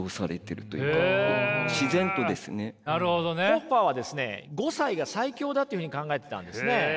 ホッファーはですね５歳が最強だというふうに考えてたんですね。